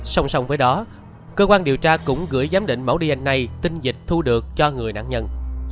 sông sông với đó cơ quan điều tra cũng gửi giám định mẫu dna tinh dịch thu được cho người nạn nhân